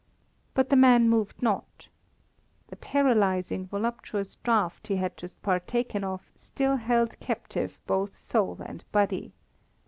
But the man moved not. The paralyzing, voluptuous draught he had just partaken of still held captive both soul and body.